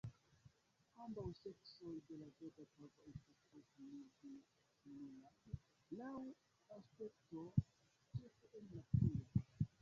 Ambaŭ seksoj de la Verda pavo estas tre similaj laŭ aspekto, ĉefe en naturo.